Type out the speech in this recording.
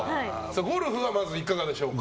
ゴルフはまずいかがでしょうか。